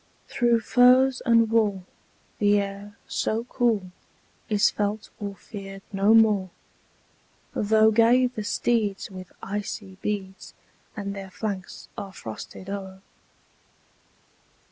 Through furs and wool, the air, so cool, Is felt or feared no more; Though gay the steeds with icy beads, And their flanks are frosted o'er.